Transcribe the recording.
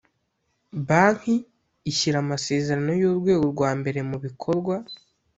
banki ishyira amasezerano y’ urwego rwa mbere mu bikorwa